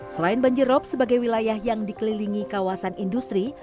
selain banjir rob sebagai wilayah yang dikelilingi kawasan industri